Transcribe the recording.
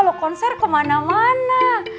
itu tentang sendirian sekarang